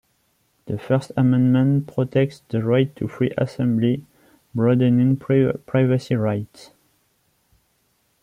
The First Amendment protects the right to free assembly, broadening privacy rights.